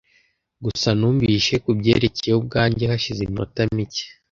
Gusa numvise kubyerekeye ubwanjye hashize iminota mike.